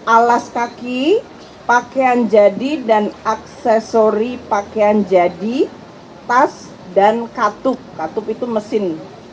alas kaki pakaian jadi dan aksesori pakaian jadi tas dan katup katup itu mesin